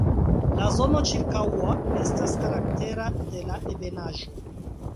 La zono ĉirkaŭa estas karaktera de la ebenaĵo.